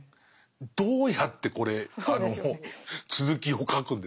どうやってこれ続きを書くんですか？